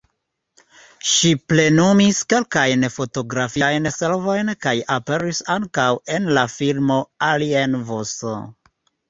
Ŝi plenumis kelkajn fotografiajn servojn kaj aperis ankaŭ en la filmo "Alien vs.